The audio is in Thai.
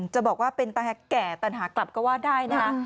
จะบอกว่าเป็นแก่ตันหากลับก็ว่าได้นะ